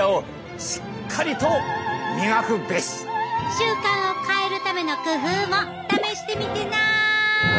習慣を変えるための工夫も試してみてな！